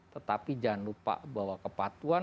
tetapi jangan lupa bahwa kepatuan